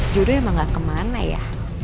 juru emang gak kemana ya